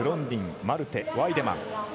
ディン、マルテワイデマン。